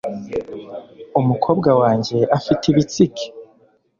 umukobwa wanjye afite ibitsike